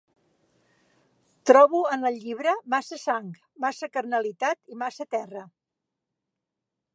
Trobo en el llibre massa sang, massa carnalitat i massa terra.